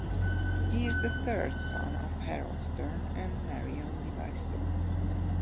He is the third son of Harold Stern and Marion Levi Stern.